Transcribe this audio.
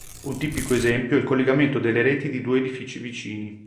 Un tipico esempio è il collegamento delle reti di due edifici vicini.